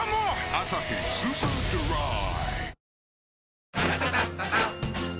「アサヒスーパードライ」